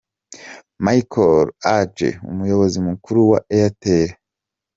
Michael Adjei, umuyobozi mukuru wa Airtel.